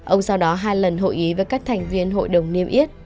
ông sau đó hai lần hội ý với các thành viên hội đồng niêm yết